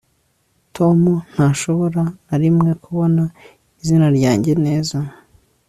tom ntashobora na rimwe kubona izina ryanjye neza